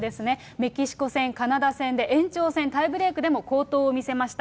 メキシコ戦、カナダ戦で延長戦、タイブレークでも好投を見せました。